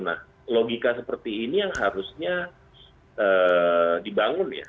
nah logika seperti ini yang harusnya dibangun ya